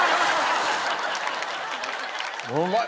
うまい！